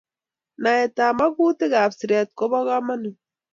Naetab magutik ab siret ko bo kamanut